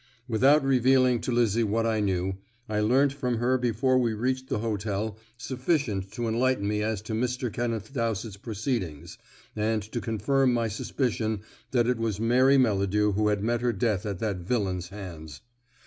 Without revealing to Lizzie what I knew, I learnt from her before we reached the hotel sufficient to enlighten me as to Mr. Kenneth Dowsett's proceedings, and to confirm my suspicion that it was Mary Melladew who had met her death at that villain's hands.